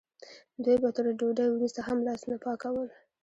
دوی به تر ډوډۍ وروسته هم لاسونه پاکول.